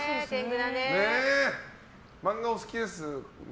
漫画お好きですね？